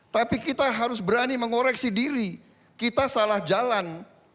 tapi kita harus berani mengoreksi diri kita salah jalan